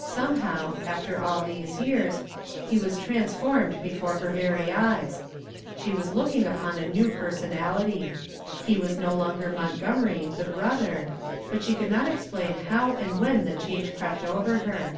Somehow, after all these years, he was transformed before her very eyes; she was looking upon a new personality. He was no longer Montgomery, the brother, but she could not explain how and when the change crept over her.